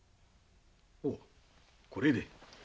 おおこれで。